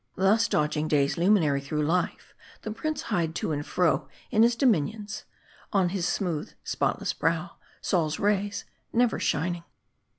Thus dodging day's luminary through life, the prince hied to and fro in his dominions ; on his smooth, spotless brow Sol's rays never shining.